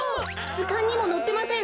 ずかんにものってません。